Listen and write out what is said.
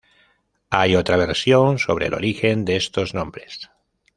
Hay otra versión sobre el origen de estos nombres.